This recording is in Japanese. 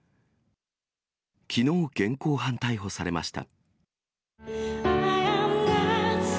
きのう現行犯逮捕されました。